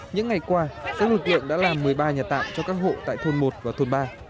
những ngày qua các lực lượng đã làm một mươi ba nhà tạm cho các hộ tại thôn một và thôn ba